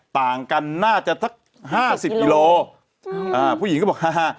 ต่างกันน่าจะทั้งห้าสิบกิโลกิโลอืมอ่าผู้หญิงก็บอกฮ่าฮ่า